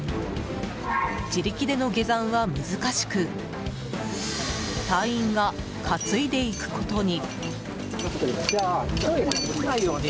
自力での下山は難しく隊員が担いでいくことに。